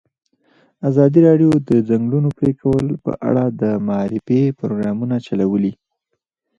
ازادي راډیو د د ځنګلونو پرېکول په اړه د معارفې پروګرامونه چلولي.